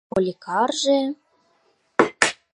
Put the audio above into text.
— Поликарже...